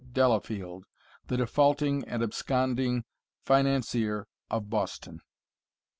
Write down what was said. Delafield, the defaulting and absconding financier of Boston."